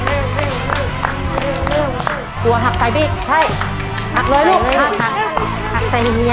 เร็วเร็วเร็วหักใส่บีใช่หักเลยลูกหักใส่หักใส่เฮีย